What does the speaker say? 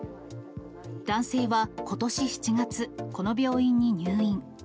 男性はことし７月、この病院に入院。